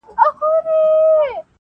• بله چي وي راز د زندګۍ لري -